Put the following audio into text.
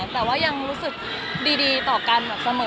แต่ว่ายังรู้สึกดีต่อกันแบบเสมอ